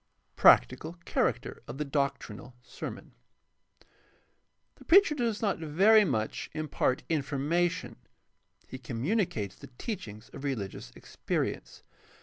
Practical character of the doctrinal sermon. — The preacher does not very much impart information ; he communicates the teachings of religious experience.